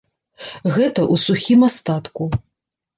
Гэта ў сухім астатку.